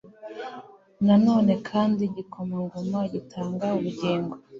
Na none kandi Igikomangoma gitanga ubugingo